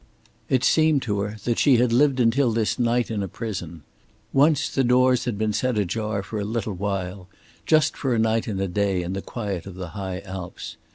It seemed to her that she had lived until this night in a prison. Once the doors had been set ajar for a little while just for a night and a day in the quiet of the High Alps.